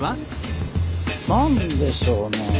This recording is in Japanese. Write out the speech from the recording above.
何でしょうね。